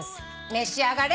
召し上がれ。